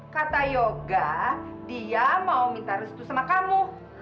kata yoga dia mau minta restu sama kamu